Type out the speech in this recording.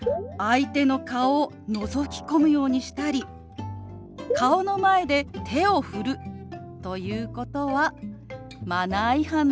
相手の顔をのぞき込むようにしたり顔の前で手を振るということはマナー違反なんです。